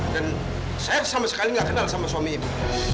dan saya sama sekali gak kenal sama suami ini